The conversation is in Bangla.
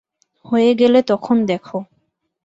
হয়ে গেলে তখন দেখো।